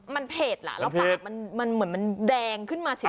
มันเผ็ดละแล้วภาษามันเหมือนแดงขึ้นมาเฉย